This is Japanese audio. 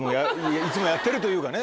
いつもやってるというかね。